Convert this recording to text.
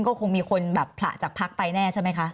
ก็คงมีคนแบบผละจากพักไปแน่ใช่ไหมคะ